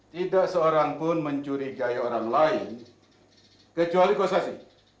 tidak seorang pun mencurigai orang lain kecuali kosasi